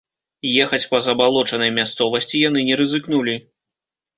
Ехаць па забалочанай мясцовасці яны не рызыкнулі.